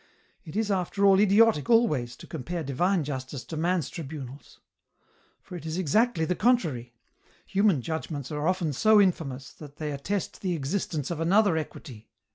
It is after all idiotic always to compare divine justice to man's tribunals ; for it is exactly the contrary ; human judgments are often so infamous that they attest the existence of another equity.